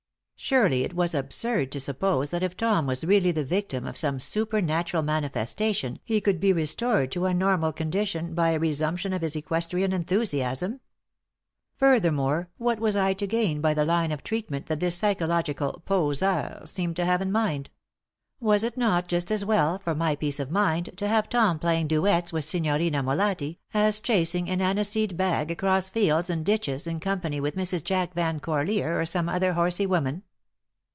Surely, it was absurd to suppose that if Tom was really the victim of some supernatural manifestation he could be restored to a normal condition by a resumption of his equestrian enthusiasm. Furthermore, what was I to gain by the line of treatment that this psychological poseur seemed to have in mind? Was it not just as well for my peace of mind to have Tom playing duets with Signorina Molatti as chasing an anise seed bag across fields and ditches in company with Mrs. Jack Van Corlear or some other horsey woman?